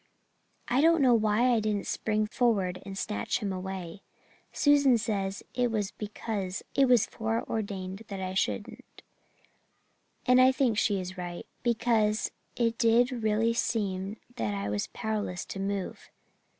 I don't know why I didn't spring forward and snatch him away. Susan says it was because it was fore ordained that I shouldn't, and I think she is right, because it did really seem that I was powerless to move.